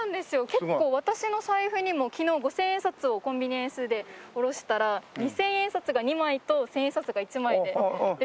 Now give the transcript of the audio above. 結構私の財布にも昨日５０００円札をコンビニエンスで下ろしたら２０００円札が２枚と１０００円札が１枚で出てきました。